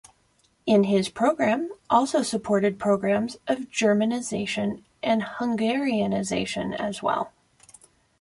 In his program, also supported programs of Germanization and Hungarization as well.